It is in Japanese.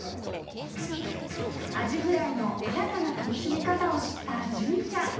アジフライの新たな楽しみ方を知った純ちゃん